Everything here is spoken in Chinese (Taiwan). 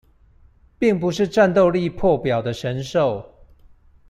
並不是戰鬥力破表的神獸